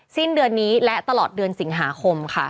สิ้นเดือนนี้และตลอดเดือนสิงหาคมค่ะ